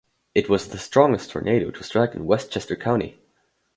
It was the strongest tornado to strike in Westchester County.